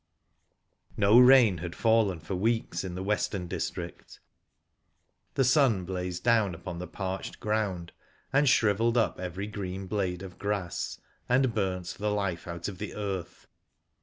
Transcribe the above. No rain had fallen for weeks in the Western district. The 3un hk^zii^ down upon the parched ground, an4 shrivejl^4 : up every green blade of grass, ^nd burnt the, life out of the earth.